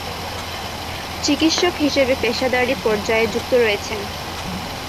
চিকিৎসক হিসেবে পেশাদারী পর্যায়ে যুক্ত রয়েছেন।